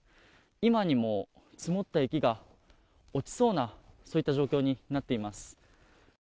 今にも積もった雪が落ちそうな状況になっています。